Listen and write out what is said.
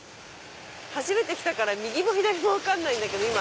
初めて来たから右も左も分かんないんだけど。